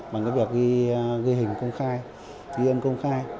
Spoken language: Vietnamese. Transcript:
bằng cái việc ghi hình công khai ghi âm công khai